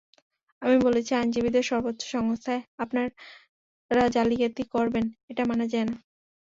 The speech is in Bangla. আমি বলেছি, আইনজীবীদের সর্বোচ্চ সংস্থায় আপনারা জালিয়াতি করবেন, এটা মানা যায় না।